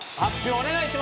お願いします。